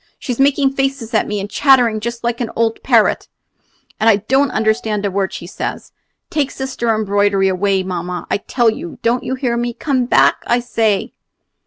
She's making faces at me, and chattering just like an old parrot, and I don't understand a word she says. Take Sister Embroidery away, mamma, I tell you! Don't you hear me? Come back, I say!"